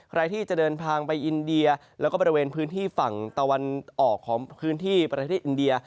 ใครที่จะเดินทางไปอินเดียแล้วก็บริเวณพื้นที่ฝั่งตะวันออกของพื้นที่ประเทศอินเดีย